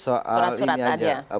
surat surat tadi ya